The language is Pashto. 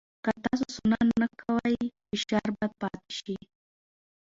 که تاسو سونا نه کوئ، فشار به پاتې شي.